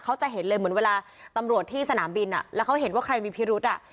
เขาจะเห็นเลยเหมือนเวลาตำรวจที่สนามบินอ่ะแล้วเขาเห็นว่าใครมีพิรุธอ่ะ